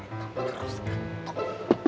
tante harus ganteng